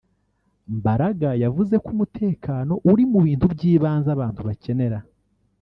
Mbaraga yavuze ko umutekano uri mu bintu by’ibanze abantu bakenera